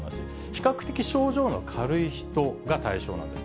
比較的症状の軽い人が対象なんです。